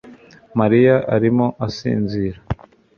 Mariya arimo asinzira